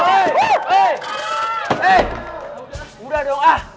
eh udah dong